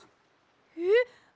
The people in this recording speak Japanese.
えっ！？